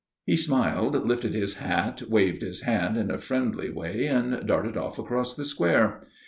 _" He smiled, lifted his hat, waved his hand in a friendly way, and darted off across the square.